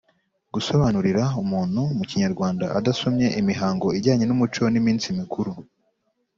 gusobanurira umuntu mu kinyarwanda adasomye imihango ijyanye n‘umuco n‘iminsi mikuru.